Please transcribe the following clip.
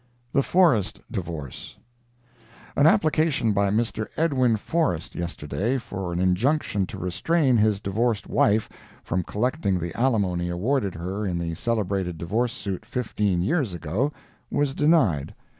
THE FORREST DIVORCE An application by Mr. Edwin Forrest, yesterday, for an injunction to restrain his divorced wife from collecting the alimony awarded her in the celebrated divorce suit fifteen years ago, was denied.